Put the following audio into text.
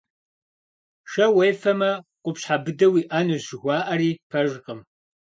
Шэ уефэмэ къупщхьэ быдэ уиӀэнущ жыхуаӀэри пэжкъым.